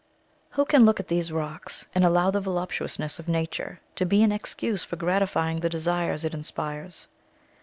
Who can look at these rocks, and allow the voluptuousness of nature to be an excuse for gratifying the desires it inspires?